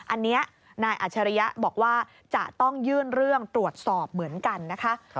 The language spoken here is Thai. อันนี้นายอัจฉริยะบอกว่าจะต้องยื่นเรื่องตรวจสอบเหมือนกันนะคะ